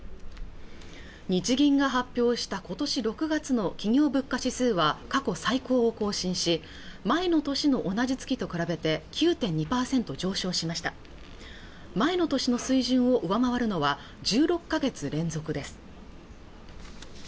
日銀が発表したことし６月の企業物価指数は過去最高を更新し前の年の同じ月と比べて９．２％上昇しました前の年の水準を上回るのは１６か月連続です